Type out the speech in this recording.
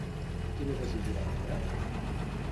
Quina decisió va prendre?